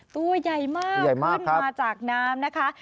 ตัวใหญ่มากขึ้นมาจากน้ำนะคะ